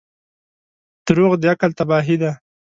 • دروغ د عقل تباهي ده.